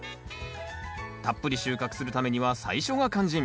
たっぷり収穫するためには最初が肝心。